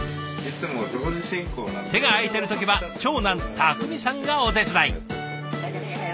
手が空いてる時は長男匠さんがお手伝い。